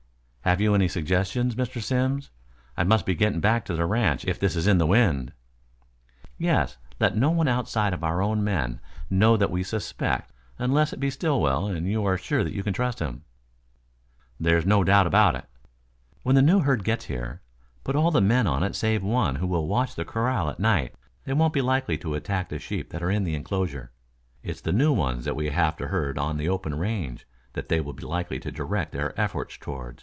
"Have you any suggestions, Mr. Simms? I must be getting back to the ranch if this is in the wind?" "Yes. Let no one outside of our own men, know that we suspect, unless it be Stillwell and you are sure you can trust him " "There's no doubt of it." "When the new herd gets here, put all the men on it save one who will watch the corral at night. They won't be likely to attack the sheep that are in the enclosure. It's the new ones that we have to herd on the open range that they will be likely to direct their efforts toward.